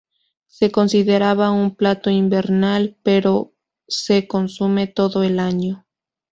Se consideraba un plato invernal pero se consume todo el año.